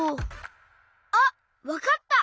あっわかった！